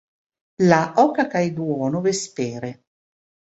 La oka kaj duono vespere.